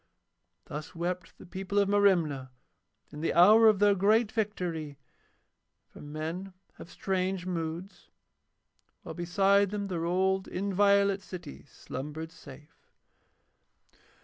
Thus wept the people of Merimna in the hour of their great victory, for men have strange moods, while beside them their old inviolate city slumbered safe.